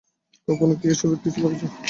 কখনও কি এসবের কিছু করেছো?